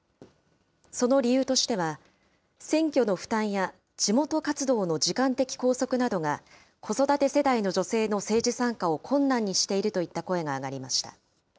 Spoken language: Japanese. その理由としては、選挙の負担や地元活動の時間的拘束などが、子育て世代の女性の政治参加を困難にしているといった声が上がりました。